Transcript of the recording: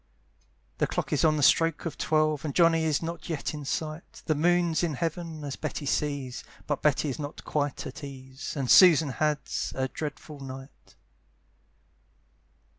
The clock is on the stroke of twelve, And Johnny is not yet in sight, The moon's in heaven, as Betty sees, But Betty is not quite at ease; And Susan has a dreadful night.